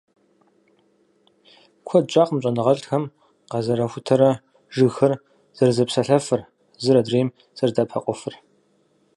Куэд щӀакъым щӀэныгъэлӀхэм къызэрахутэрэ - жыгхэр «зэрызэпсалъэфыр», зыр адрейм зэрыдэӀэпыкъуфыр.